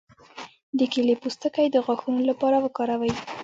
د کیلې پوستکی د غاښونو لپاره وکاروئ